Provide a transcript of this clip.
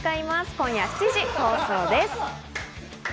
今夜７時放送です。